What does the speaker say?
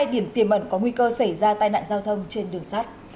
một hai trăm tám mươi hai điểm tiềm ẩn có nguy cơ xảy ra tai nạn giao thông trên đường sắt